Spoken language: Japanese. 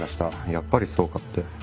やっぱりそうかって。